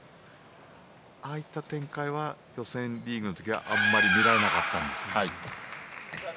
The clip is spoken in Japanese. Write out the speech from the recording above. ああいった展開は予選リーグの時はあまり見られなかったです。